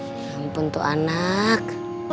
ya ampun tuh anak